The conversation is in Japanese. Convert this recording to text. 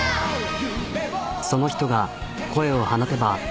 その人が声を放てば。